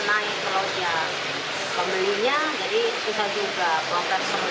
pembelinya jadi susah juga bongkar semua